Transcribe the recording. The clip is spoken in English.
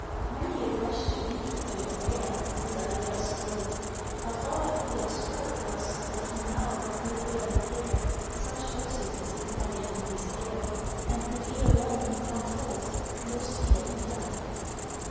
Many a question intricate and rare Did I there strow; But all I could extort was, that he now Did there repair Such losses as befell him in this air, And would erelong Come forth most fair and young.